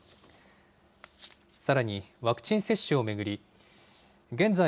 さらに、ワクチン接種を巡り、現在、